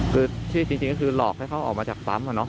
คือที่จริงคือหลอกให้เขาออกมาจากซ้ำเหรอเนอะ